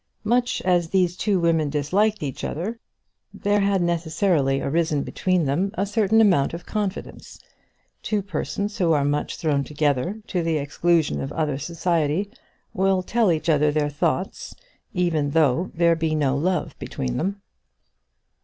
Much as these two women disliked each other, there had necessarily arisen between them a certain amount of confidence. Two persons who are much thrown together, to the exclusion of other society, will tell each other their thoughts, even though there be no love between them.